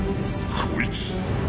こいつ。